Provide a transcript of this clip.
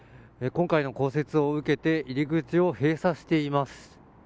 今回の降雪を受けて入り口を閉鎖しています。